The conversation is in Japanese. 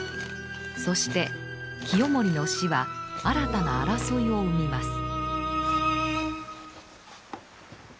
そして清盛の死は新たな争いを生みます。